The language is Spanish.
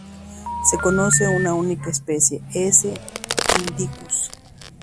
Se conoce una única especie, "S.indicus.